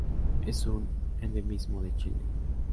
Es un endemismo de Chile.